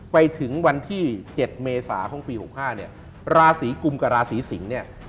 ไปถึงวันที่๗เมษาของปี๖๕เนี่ยราศีกุมกับราศีสิงศ์เนี่ย